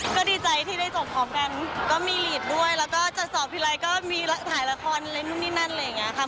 ก็ดีใจที่ได้จบพร้อมกันก็มีฤทธิ์ด้วยแล้วก็จัดสอบพิลัยก็มีถ่ายละครอะไรนู่นนี่นั่นเลยอย่างนี้ค่ะ